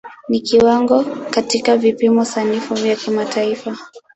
Ni kiwango katika vipimo sanifu vya kimataifa.